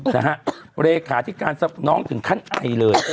นะคะเรศคาทิการสมน้องถึงขั้นไอเลย